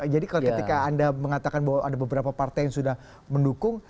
jadi kalau ketika anda mengatakan bahwa ada beberapa partai yang sudah mendukung